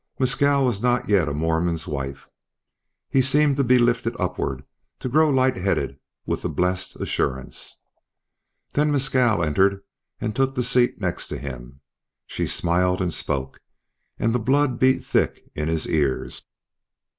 Mescal was not yet a Mormon's wife! He seemed to be lifted upward, to grow light headed with the blessed assurance. Then Mescal entered and took the seat next to him. She smiled and spoke, and the blood beat thick in his ears.